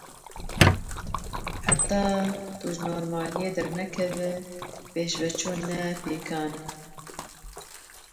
Heta tu ji normaliyê dernekevî, pêşveçûn ne pêkan e.